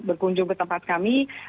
berkunjung ke tempat kami